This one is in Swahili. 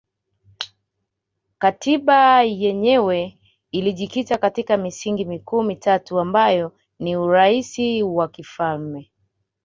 Katiba yenyewe ilijikita katika misingi mikuu mitatu ambayo ni Urais wa kifalme